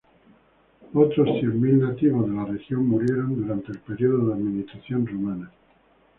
Otros cien mil nativos de la región murieron durante el periodo de administración rumana.